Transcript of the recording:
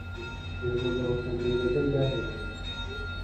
Uyumugabo akunda inzoga byahebuje